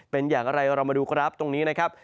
เป็นอย่างไรเรามาดูครับตรงนี้นะครับ